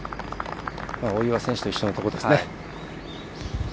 大岩選手と一緒のところですね。